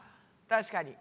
確かに。